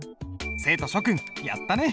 生徒諸君やったね！